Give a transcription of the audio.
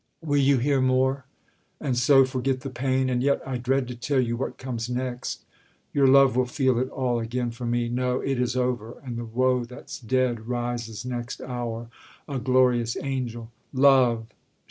...... Will you hear more, and so forget the pain? And yet I dread to tell you what comes next; Your love will feel it all again for me. No! it is over; and the woe that's dead Rises next hour a glorious angel. Love!